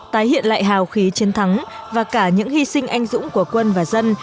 tái hiện lại hào khí chiến thắng và cả những hy sinh anh dũng của quân và dân